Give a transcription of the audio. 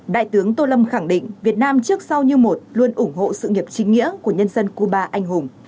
đại tướng tô lâm khẳng định việt nam trước sau như một luôn ủng hộ sự nghiệp chính nghĩa của nhân dân cuba anh hùng